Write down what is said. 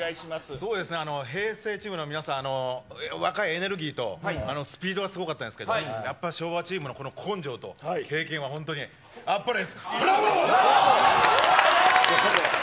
そうですね、平成チームの皆さん、若いエネルギーとスピードがすごかったんですけど、やっぱ昭和チームのこの根性と経験は本当にあっぱれです。